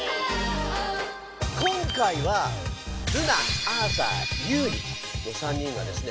今回はルナアーサーユウリの３人がですね